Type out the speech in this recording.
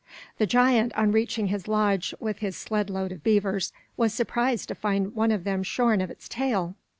The giant, on reaching his lodge with his sled load of heavers, was surprised to find one of them shorn of its tail.